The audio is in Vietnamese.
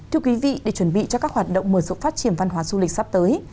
thưa quý vị để chuẩn bị cho các hoạt động mở rộng phát triển văn hóa du lịch sắp tới